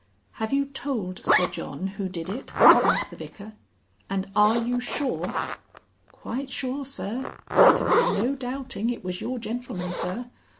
"Have you told Sir John who did it?" asked the Vicar. "And are you sure?" "Quite sure, Sir. There can be no doubting it was your gentleman, Sir.